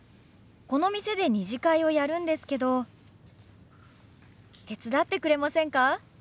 この店で２次会をやるんですけど手伝ってくれませんか？